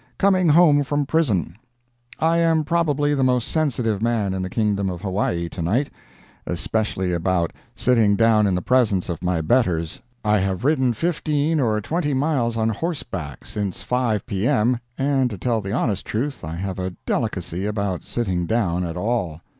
COMING HOME FROM PRISON I am probably the most sensitive man in the kingdom of Hawaii tonight—especially about sitting down in the presence of my betters. I have ridden fifteen or twenty miles on horseback since 5 P.M., and to tell the honest truth, I have a delicacy about sitting down at all.